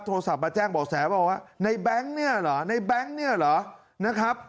โทรศัพท์มาแจ้งบอกแสว่าในแบงค์นี่เหรอในแบงค์นี่เหรอ